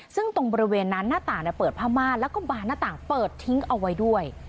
ซึ่งตรงบริเวณนั้นหน้าต่างเปิดผ้าม่าแล้วก็บานหน้าต่างเปิดทิ้งเอาไว้ด้วย